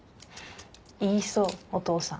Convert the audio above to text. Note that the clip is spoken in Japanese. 言いそうお父さん。